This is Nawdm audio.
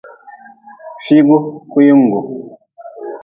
Fiigu kuyingu.